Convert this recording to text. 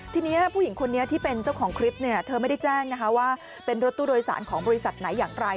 ทีนี้ผู้หญิงคนนี้ที่เป็นเจ้าของคลิปเนี่ยเธอไม่ได้แจ้งนะคะว่าเป็นรถตู้โดยสารของบริษัทไหนอย่างไร